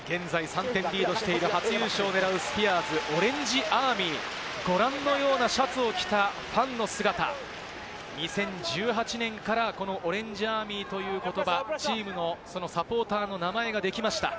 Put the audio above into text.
現在、３点リードしている初優勝を狙う、スピアーズ、オレンジアーミー、ご覧のようなシャツを着たファンの姿、２０１８年からこの「オレンジアーミー」という言葉、チームのサポーターの名前ができました。